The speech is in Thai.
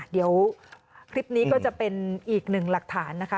เดี๋ยวคลิปนี้ก็จะเป็นอีกหนึ่งหลักฐานนะคะ